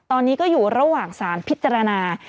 ตอนนี้ก็อยู่ระหว่างสารพิจารณา